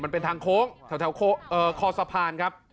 มันเป็นทางโค้งแถวคอสะพานครับ